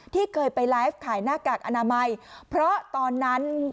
ที่เคยไปไลฟ์ขายหน้ากากอนามัยเพราะตอนนั้น